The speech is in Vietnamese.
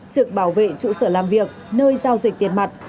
trực bảo vệ trụ sở làm việc nơi giao dịch tiền mặt